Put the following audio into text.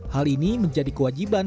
hal ini menjadi kewajiban